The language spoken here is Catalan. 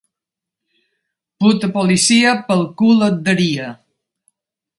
Puta policia, pel cul et daria.